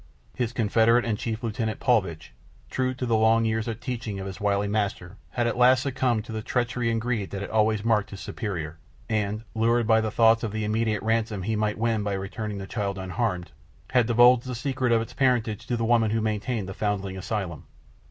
His confederate and chief lieutenant, Paulvitch, true to the long years of teaching of his wily master, had at last succumbed to the treachery and greed that had always marked his superior, and, lured by the thoughts of the immense ransom that he might win by returning the child unharmed, had divulged the secret of its parentage to the woman who maintained the foundling asylum.